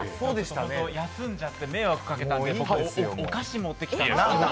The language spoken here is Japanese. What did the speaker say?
休んじゃって迷惑かけたのでお菓子持ってきたんです。